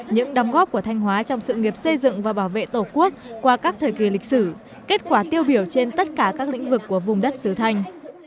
những đóng góp của thanh hóa trong sự nghiệp xây dựng và bảo vệ tổ quốc qua các thời kỳ lịch sử kết quả tiêu biểu trên tất cả các lĩnh vực của vùng đất sứ thanh